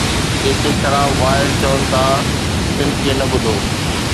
جيڪي خراب واعظ چون ٿا، تن کي نه ٻڌو